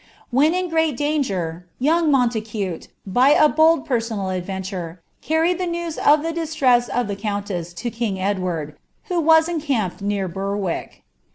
When in great danger, young Montacute, by a bold personal adventure, carried the news of the distress of the countess to king Edward, who was encamped near Ber ' Carte.